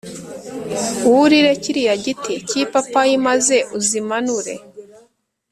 wurire kiriya giti k’ipapayi maze uzi manure